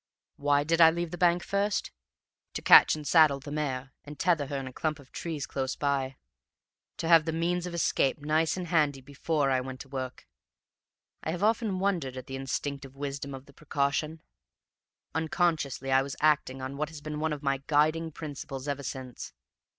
"Why did I leave the bank first? To catch and saddle the mare and tether her in a clump of trees close by: to have the means of escape nice and handy before I went to work. I have often wondered at the instinctive wisdom of the precaution; unconsciously I was acting on what has been one of my guiding principles ever since.